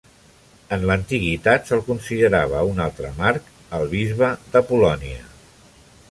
En l'antiguitat, se'l considerava un altre Mark, el bisbe d'Apol·lònia.